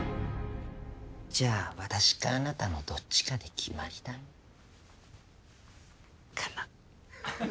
じゃあ私かあなたのどっちかで決まりだね。かな？